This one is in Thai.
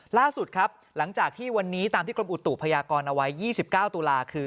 ล่าสุดครับหลังจากที่วันนี้ตามที่กรมอุตุพยากรเอาไว้๒๙ตุลาคือ